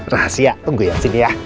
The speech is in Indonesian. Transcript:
rahasia tunggu ya sini ya